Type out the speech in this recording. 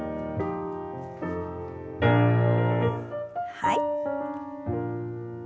はい。